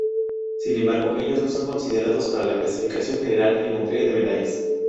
Sin embargo, ellos no son considerados para la clasificación general y entrega de medallas.